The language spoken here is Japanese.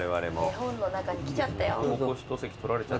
絵本の中に来ちゃったよ。